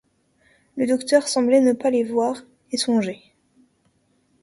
Le docteur semblait ne pas les voir, et songeait.